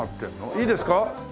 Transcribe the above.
いいですか？